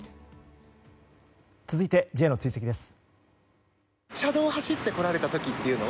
続いてＪの追跡です。